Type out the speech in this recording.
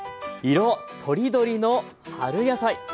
色とりどりの春野菜。